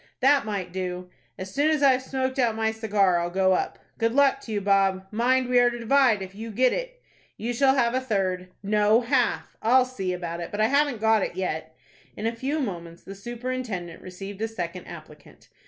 "That might do." "As soon as I've smoked out my cigar, I'll go up." "Good luck to you, Bob. Mind we are to divide if you get it." "You shall have a third." "No, half." "I'll see about it; but I haven't got it yet." In a few moments the superintendent received a second applicant.